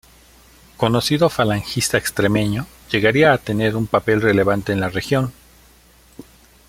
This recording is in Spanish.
Conocido falangista extremeño, llegaría a tener un papel relevante en la región.